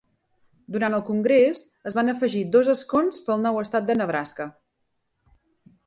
Durant el congrés, es van afegir dos escons per al nou estat de Nebraska.